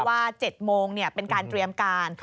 ๗โมงเป็นการเตรียมการ